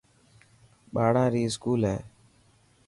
ٻاڙا ري اسڪول هي.